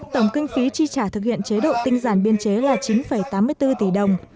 tổng kinh phí chi trả thực hiện chế độ tinh giản biên chế là chín tám mươi bốn tỷ đồng